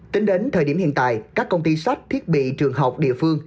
tính đến thời điểm hiện tại các công ty sách thiết bị trường học địa phương